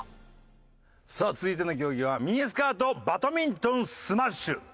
さあ続いての競技はミニスカートバドミントンスマッシュ。